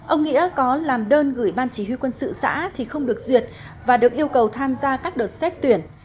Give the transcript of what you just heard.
ông nghĩa có làm đơn gửi ban chỉ huy quân sự xã thì không được duyệt và được yêu cầu tham gia các đợt xét tuyển